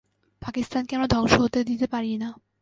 পাকিস্তানকে আমরা ধ্বংস হতে দিতে পারি না।